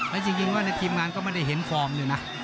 และจริงว่าในทีมงานก็ไม่ได้เห็นฟอร์มเลยนะ